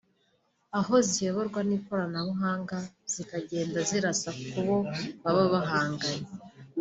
aho ziyoborwa n’ikoranabuhanga zikagenda zirasa kubo babahanganye